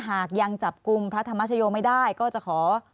หากยังจับกลุ่มพระธรรมชโยไม่ได้ก็จะขอ